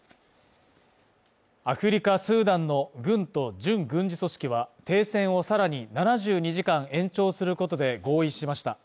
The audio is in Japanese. アフリカ・スーダンの軍と準軍事組織は停戦をさらに７２時間延長することで合意しました。